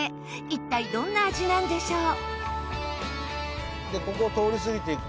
一体、どんな味なんでしょう？